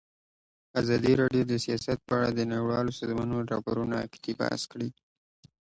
ازادي راډیو د سیاست په اړه د نړیوالو سازمانونو راپورونه اقتباس کړي.